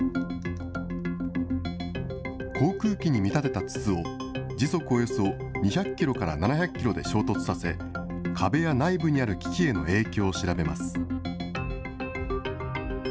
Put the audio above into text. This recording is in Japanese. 航空機に見立てた筒を、時速およそ２００キロから７００キロで衝突させ、壁や内部にある機器への影響を調べます。